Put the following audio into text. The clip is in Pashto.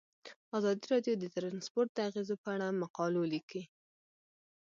ازادي راډیو د ترانسپورټ د اغیزو په اړه مقالو لیکلي.